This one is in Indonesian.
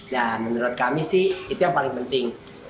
dan menurut kami sih itu yang paling penting